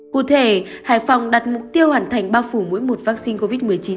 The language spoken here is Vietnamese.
cụ thể hải phòng đặt mục tiêu hoàn thành bao phủ mỗi một vaccine covid một mươi chín